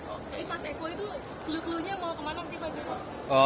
tapi pas eko itu teluh teluhnya mau kemana sih pak